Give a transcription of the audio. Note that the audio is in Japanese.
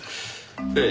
ええ。